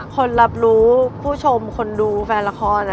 คนรับรู้ผู้ชมคนดูแฟนละคร